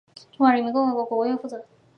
中华人民共和国国务院负责。